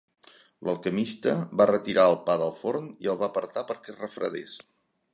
L'alquimista va retirar el pa del forn i el va apartar perquè es refredés.